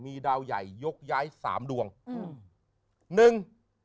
มีดาวใหญ่ยกย้าย๓ดวง